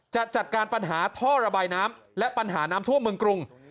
จัดการปัญหาท่อระบายน้ำและปัญหาน้ำท่วมเมืองกรุง